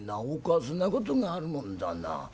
おかしなことがあるもんだな。